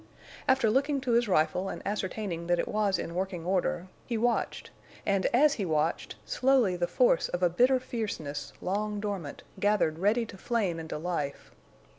After looking to his rifle and ascertaining that it was in working order, he watched, and as he watched, slowly the force of a bitter fierceness, long dormant, gathered ready to flame into life.